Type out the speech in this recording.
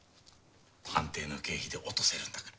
探偵の経費で落とせるんだから。